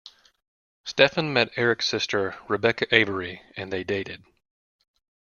Stephen met Eric's sister, Rebecca Avery, and they dated.